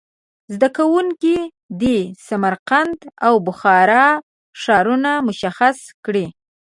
زده کوونکي دې سمرقند او بخارا ښارونه مشخص کړي.